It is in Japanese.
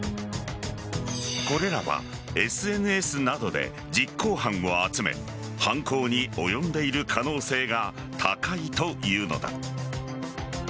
これらはＳＮＳなどで実行犯を集め犯行に及んでいる可能性が高いというのだ。